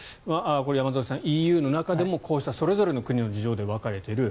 これ、山添さん、ＥＵの中でもこうしたそれぞれの国の事情で分かれている。